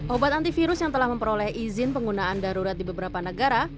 obat antivirus yang telah memperoleh izin penggunaan darurat di beberapa negara